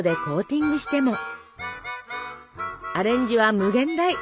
アレンジは無限大！